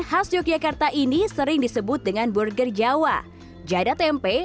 khas yogyakarta ini sering disebut dengan burger jawa jada tempe